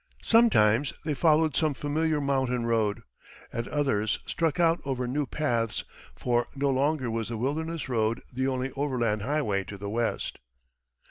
Sometimes they followed some familiar mountain road, at others struck out over new paths, for no longer was the Wilderness Road the only overland highway to the West.